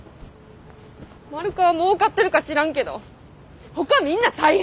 マルカはもうかってるか知らんけどほかみんな大変やねん！